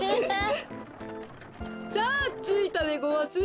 さあついたでごわす。